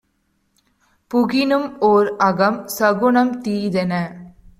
புகினும் ஓர்அகம் - சகுனம் தீதென